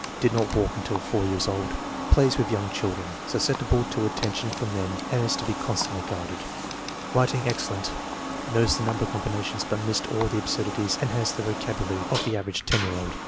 Did not walk until 4 years old. Plays with young children. Sus ceptible to attention from men and has to be constantly guarded. Writing excellent, knows the number combinations, but missed all the absurdities and has the vocabulary of an average 10 year old.